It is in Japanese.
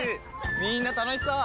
みんな楽しそう！